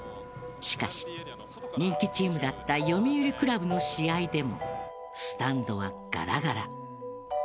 しかし、人気チームだった読売クラブの試合でもスタンドはガラガラ。